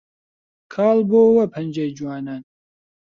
کاڵ بۆوە پەنجەی جوانان